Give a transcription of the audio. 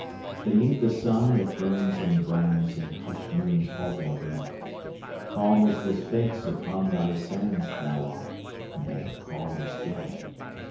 Beneath the sun that burns and brands In hushed Noon's halting breath, Calm as the Sphinx upon thy sands Thou art nay, calm as death.